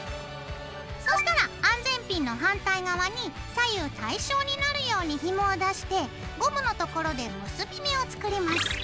そうしたら安全ピンの反対側に左右対称になるようにひもを出してゴムのところで結び目を作ります。